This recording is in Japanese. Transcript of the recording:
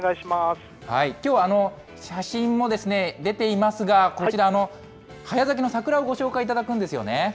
きょう、写真も出ていますが、こちらの早咲きの桜をご紹介いただくんですよね？